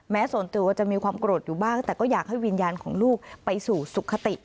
ส่วนตัวจะมีความโกรธอยู่บ้างแต่ก็อยากให้วิญญาณของลูกไปสู่สุขติ